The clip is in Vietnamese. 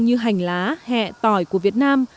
như hành lá hẹ tỏi của việt nam